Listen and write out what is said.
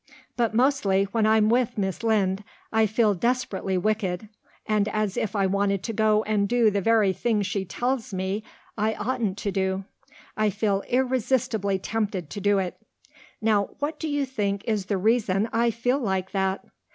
But mostly when I'm with Mrs. Lynde I feel desperately wicked and as if I wanted to go and do the very thing she tells me I oughtn't to do. I feel irresistibly tempted to do it. Now, what do you think is the reason I feel like that?